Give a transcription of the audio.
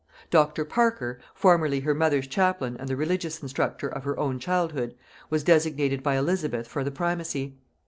Dr. Parker, formerly her mother's chaplain and the religious instructor of her own childhood, was designated by Elizabeth for the primacy.